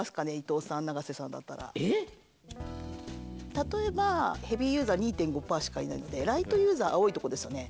例えばヘービーユーザー２．５％しかいないのでライトユーザー青いとこですよね